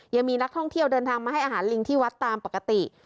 ยังมีนักท่องเที่ยวเดินทางมาให้อาหารลิงที่วัดตามปกติ